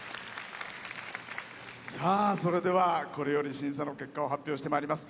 それでは、これより審査の結果を発表してまいります。